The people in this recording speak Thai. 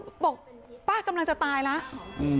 บอกป้ากำลังจะตายแล้ว